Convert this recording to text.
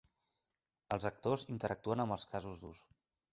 Els actors interactuen amb el casos d'ús.